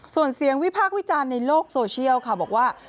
ส่วนเสียงวิพากษ์วิจารณ์ในโลกโซเชียลค่ะบอกว่า